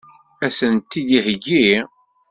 Ad sent-t-id-iheggi?